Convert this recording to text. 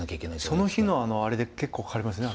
その日のあれで結構変わりますね。